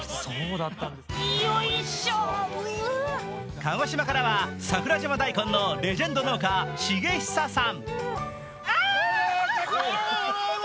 鹿児島からは桜島大根のレジェンド農家・重久さん。